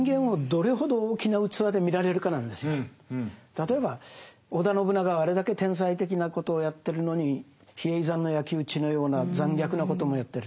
例えば織田信長はあれだけ天才的なことをやってるのに比叡山の焼き討ちのような残虐なこともやってる。